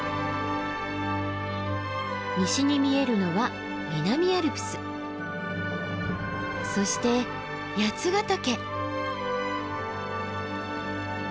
西に見えるのは南アルプスそして八ヶ岳。